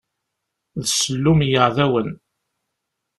D sellum n yiɛdawen.